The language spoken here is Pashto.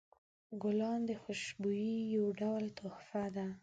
ګلان د خوشبویۍ یو ډول تحفه ده.